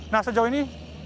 nah sejauh ini